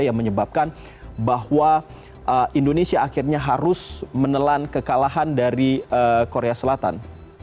yang menyebabkan bahwa indonesia akhirnya harus menelan kekalahan dari korea selatan